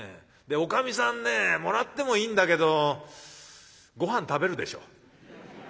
おかみさんねえもらってもいいんだけどごはん食べるでしょ。